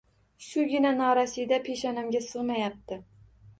— Shugina norasida peshonamga sig‘mayapti!